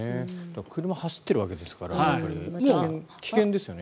車が走っているわけですから危険ですよね